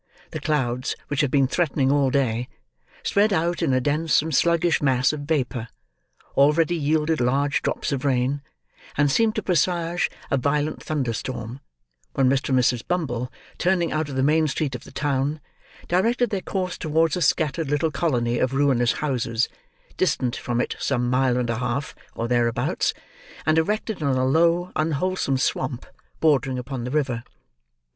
The clouds, which had been threatening all day, spread out in a dense and sluggish mass of vapour, already yielded large drops of rain, and seemed to presage a violent thunder storm, when Mr. and Mrs. Bumble, turning out of the main street of the town, directed their course towards a scattered little colony of ruinous houses, distant from it some mile and a half, or thereabouts, and erected on a low unwholesome swamp, bordering upon the river.